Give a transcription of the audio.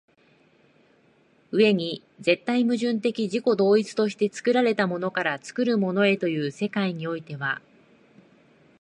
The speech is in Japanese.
上に絶対矛盾的自己同一として作られたものから作るものへという世界においては